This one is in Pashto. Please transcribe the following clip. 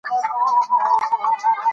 د مېلو یوه برخه د ماشومانو له پاره بازۍ دي.